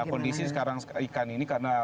kondisi sekarang ikan ini karena